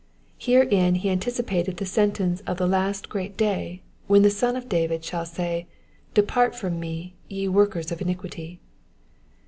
^' Herein he anticipated the flenteooe of the last great day, when the Son of David shall say, '* Depart from me, ve workers of iniquity.'